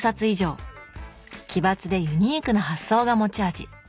奇抜でユニークな発想が持ち味。